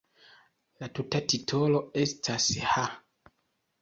La tuta titolo estas "Ha!